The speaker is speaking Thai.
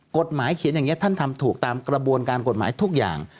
เขียนอย่างนี้ท่านทำถูกตามกระบวนการกฎหมายทุกอย่าง